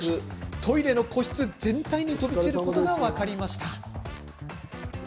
トイレの個室全体に飛び散ることが分かりました。